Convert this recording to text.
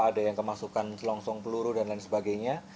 ada yang kemasukan selongsong peluru dan lain sebagainya